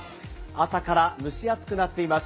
朝から蒸し暑くなっています。